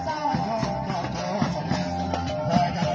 สวัสดีครับทุกคน